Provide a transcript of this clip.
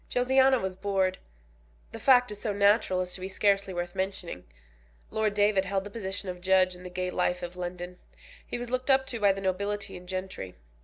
Josiana was bored. The fact is so natural as to be scarcely worth mentioning. Lord David held the position of judge in the gay life of London. He was looked up to by the nobility and gentry.